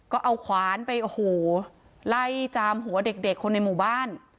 ก็เอาขวานไปโอ้โหไล่จามหัวเด็กคนในหมู่บ้าน